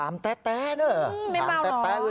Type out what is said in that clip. นะไม่เมาหรอ